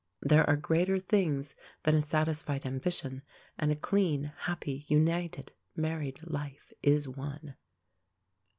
There are greater things than a satisfied ambition, and a clean, happy, united married life is one.